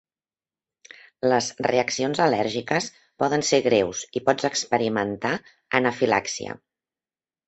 Les reaccions al·lèrgiques poden ser greus i pots experimentar anafilaxia.